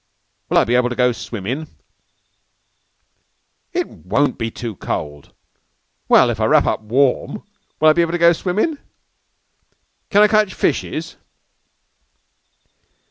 "Will I be able to go swimmin'?" "It won't be too cold! Well, if I wrap up warm, will I be able to go swimmin'?" "Can I catch fishes?"